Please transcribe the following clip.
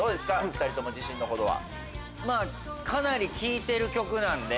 ２人とも自信の程は。